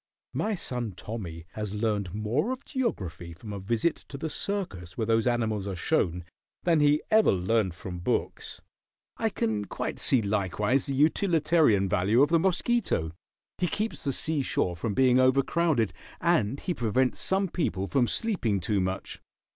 My son Tommy has learned more of geography from a visit to the circus where those animals are shown than he ever learned from books. I can quite see likewise the utilitarian value of the mosquito. He keeps the sea shore from being overcrowded, and he prevents some people from sleeping too much.